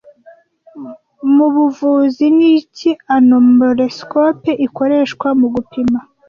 Mubuvuzi niki Anomaloscope ikoreshwa mugupima